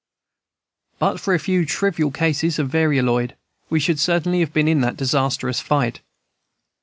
"But for a few trivial cases of varioloid, we should certainly have been in that disastrous fight.